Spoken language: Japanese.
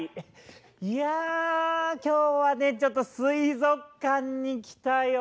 いや今日はねちょっと水族館に来たよ。